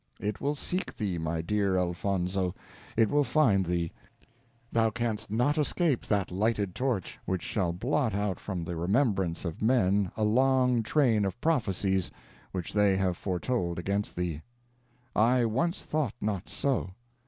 It will seek thee, my dear Elfonzo, it will find thee thou canst not escape that lighted torch, which shall blot out from the remembrance of men a long train of prophecies which they have foretold against thee. I once thought not so.